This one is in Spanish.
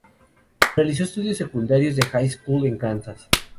Realizó estudios secundarios de high school en Kansas.